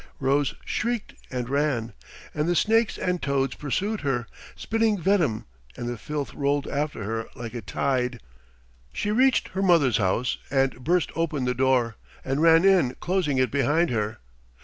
Rose shrieked and ran, and the snakes and toads pursued her, spitting venom, and the filth rolled after her like a tide. She reached her mother's house, and burst open the door, and ran in, closing it behind her.